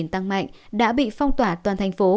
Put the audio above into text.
tăng mạnh đã bị phong tỏa toàn thành phố